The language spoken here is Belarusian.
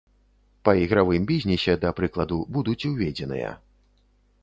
Па ігравым бізнесе, да прыкладу, будуць уведзеныя.